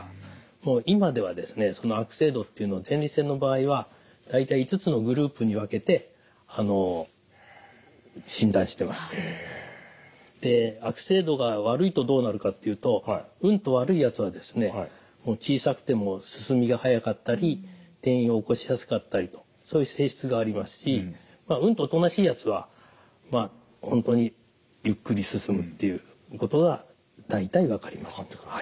もう今ではですねその悪性度っていうのは前立腺の場合はで悪性度が悪いとどうなるかっていうとうんと悪いやつはですね小さくても進みが速かったり転移を起こしやすかったりとそういう性質がありますしうんとおとなしいやつは本当にゆっくり進むっていうことが大体分かります。